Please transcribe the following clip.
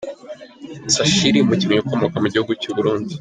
Sashiri umukinnyi ukomoka mu gihugu cy’uburundi